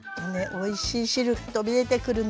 おいしい汁飛び出てくるの。